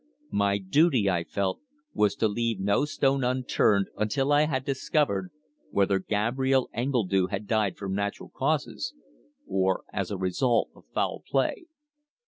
My duty, I felt, was to leave no stone unturned until I had discovered whether Gabrielle Engledue had died from natural causes, or as a result of foul play.